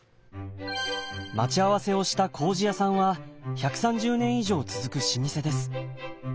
待ち合わせをしたこうじやさんは１３０年以上続く老舗です。